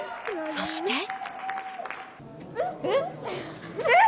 そして。